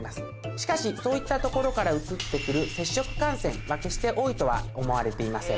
しかしそういったところからうつって来る接触感染は決して多いとは思われていません。